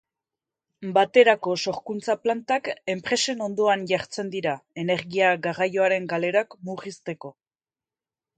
Baterako sorkuntza-plantak, enpresen ondoan jartzen dira, energia garraioaren galerak murrizteko.